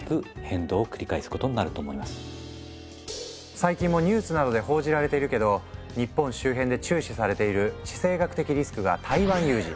最近もニュースなどで報じられてるけど日本周辺で注視されている地政学的リスクが「台湾有事」。